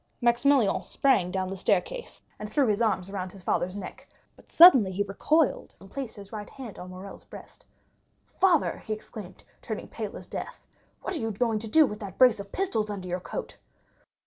Maximilian sprang down the staircase, and threw his arms round his father's neck; but suddenly he recoiled, and placed his right hand on Morrel's breast. "Father," he exclaimed, turning pale as death, "what are you going to do with that brace of pistols under your coat?"